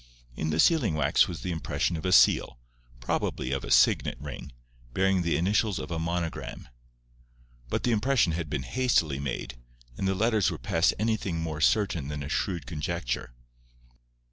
In the sealing wax was the impression of a seal—probably of a signet ring, bearing the initials of a monogram; but the impression had been hastily made, and the letters were past anything more certain than a shrewd conjecture.